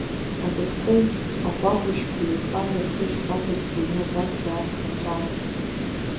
Акәытқәеи агәагәшьқәеи еихан, рхы ишзахәоз иҩны акәасқьа аҵаҟа рҿаархеит.